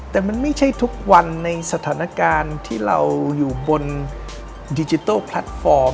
แต่มันไม่ใช่ทุกวันในสถานการณ์ที่เราอยู่บนดิจิทัลแพลตฟอร์ม